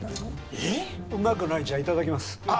うまくない茶いただきます